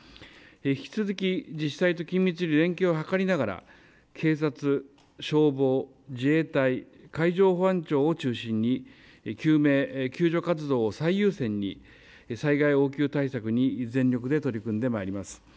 引き続き自治体と緊密に連携を図りながら警察、消防、自衛隊、海上保安庁を中心に救命救助活動を最優先に災害応急対策に全力で取り組んでまいります。